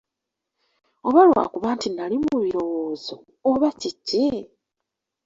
Oba lwakuba nti nnali mu birowoozo, oba kiki?